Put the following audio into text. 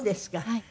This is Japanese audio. はい。